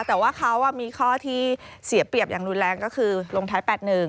แต่ว่าเขามีข้อที่เสียเปรียบอย่างรุนแรงก็คือลงท้าย๘๑